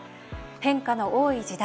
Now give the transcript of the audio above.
変化の多い時代。